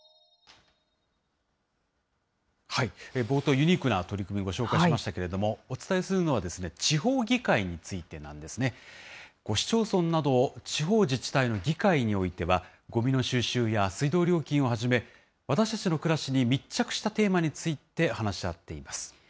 冒頭、ユニークな取り組みをご紹介しましたけれども、お伝えするのは、地方議会についてなんですね。市町村など、地方自治体の議会においては、ごみの収集や水道料金をはじめ、私たちの暮らしに密着したテーマについて話し合っています。